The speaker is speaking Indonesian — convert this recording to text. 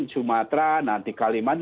sumatera nanti kalimantan